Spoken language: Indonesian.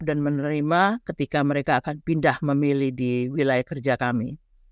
dan menerima ketika mereka akan pindah memilih di wilayah kerja kami